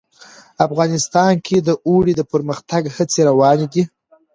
افغانستان کې د اوړي د پرمختګ هڅې روانې دي.